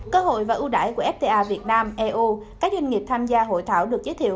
cơ hội và ưu đải của fta việt nam eu các doanh nghiệp tham gia hội thảo được giới thiệu